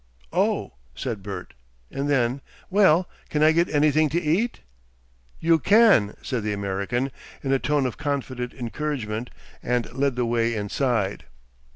"Oh!" said Bert, and then, "Well, can I get anything to eat?" "You can," said the American in a tone of confident encouragement, and led the way inside.